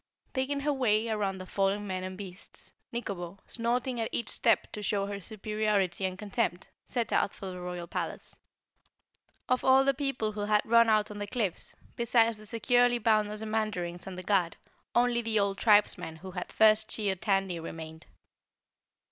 Picking her way around the fallen men and beasts, Nikobo, snorting at each step to show her superiority and contempt, set out for the Royal Palace. Of all the people who had run out on the cliffs, besides the securely bound Ozamandarins and the guard, only the old tribesman who had first cheered Tandy remained.